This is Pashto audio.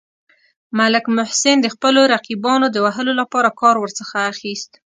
ملک محسن د خپلو رقیبانو د وهلو لپاره کار ورڅخه اخیست.